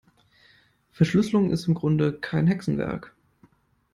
Verschlüsselung ist im Grunde kein Hexenwerk.